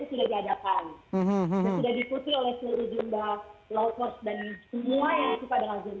dan semua yang suka dengan jumlah